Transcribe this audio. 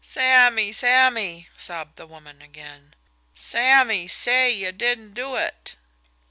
"Sammy! Sammy!" sobbed the woman again. "Sammy, say you didn't do it!"